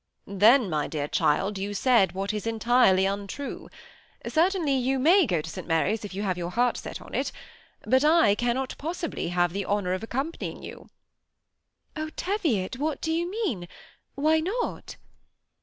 Then, my dear child, you said what is entirely un true. Certainly, you may go to St. Mary's if you have set your heart on it, but I cannot possibly have the honor of accompanying you." Oh, Teviot, what do you mean ? Why not